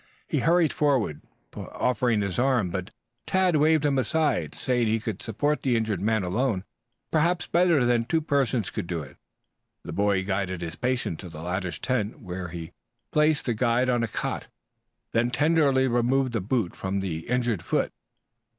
He hurried forward, offering his arm, but Tad waved him aside, saying he could support the injured man alone perhaps better than two persons could do it. The boy guided his patient to the latter's tent where he placed the guide on a cot, then tenderly removed the boot from the injured foot.